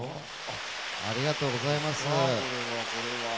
ありがとうございます。